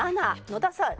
７野田さん